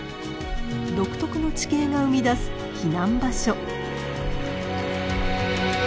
独特の地形が生み出す避難場所。